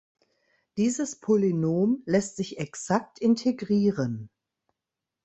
Dieses Polynom lässt sich exakt integrieren.